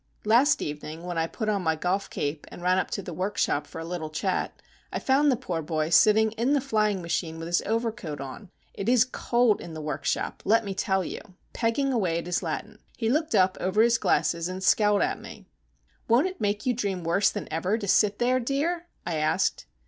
Last evening when I put on my golf cape and ran up to the workshop for a little chat I found the poor boy sitting in the flying machine with his overcoat on,—it is cold in the workshop, let me tell you,—pegging away at his Latin. He looked up over his glasses and scowled at me. "Won't it make you dream worse than ever to sit there, dear?" I asked.